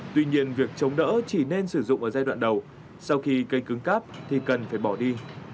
tuy nhiên việc chống đỡ chỉ nên sử dụng ở giai đoạn đầu sau khi cây cứng cắp thì cần phải bỏ đi